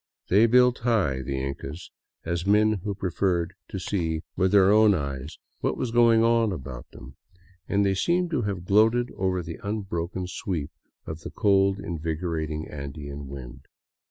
They built high, the Incas, as men who preferred to see with their own 184 DOWN VOLCANO AVENUE eyes what was going on about them, and they seem to have gloated over the unbroken sweep of the cold, invigorating Andean wind.